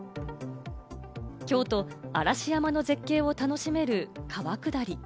京都・嵐山の絶景を楽しめる川下り。